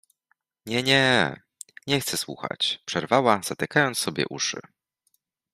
— Nie, nie… nie chcę słuchać — przerwała, zatykając sobie uszy.